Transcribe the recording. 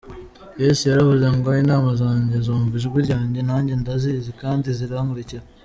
Yesu yaravuze ngo “intama zanjye zumva ijwi ryanjye, nanjye ndazizi kandi zirankurikira.